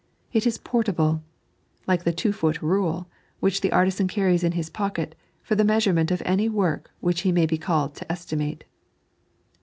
It is jiort able, " like the two foot rule " which the artisan carries in his pocket for the measurement of any work which he may be called to estimate.